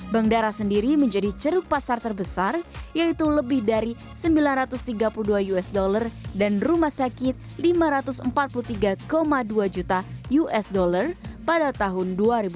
bank darah sendiri menjadi ceruk pasar terbesar yaitu lebih dari sembilan ratus tiga puluh dua usd dan rumah sakit lima ratus empat puluh tiga dua juta usd pada tahun dua ribu dua puluh